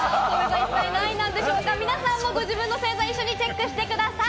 皆さんもご自分の星座をチェックしてください。